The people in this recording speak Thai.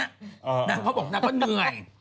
ตอนนี้ขอบอกว่านางก็เหนื่อย